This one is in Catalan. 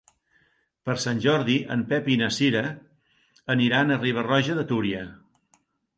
Per Sant Jordi en Pep i na Cira aniran a Riba-roja de Túria.